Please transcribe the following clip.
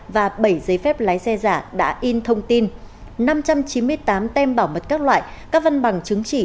và bảy giấy phép lái xe giả đã in thông tin năm trăm chín mươi tám tem bảo mật các loại các văn bằng chứng chỉ